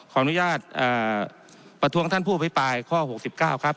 ขออนุญาตเอ่อประท้วงท่านผู้ไปปลายข้อหกสิบเก้าครับ